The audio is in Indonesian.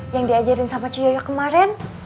yang diajarin sama ciyoyo kemarin